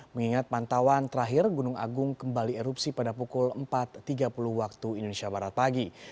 mengingat pantauan terakhir gunung agung kembali erupsi pada pukul empat tiga puluh waktu indonesia barat pagi